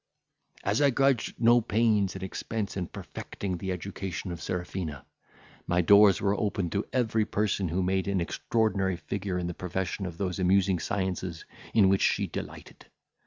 As I grudged no pains and expense in perfecting the education of Serafina, my doors were open to every person who made an extraordinary figure in the profession of those amusing sciences in which she delighted.